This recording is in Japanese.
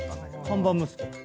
看板息子。